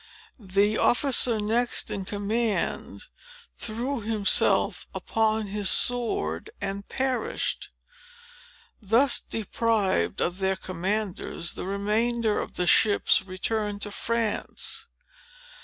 The officer next in command threw himself upon his sword and perished. Thus deprived of their commanders, the remainder of the ships returned to France.